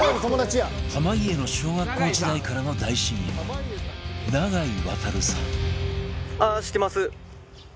濱家の小学校時代からの大親友永井航さん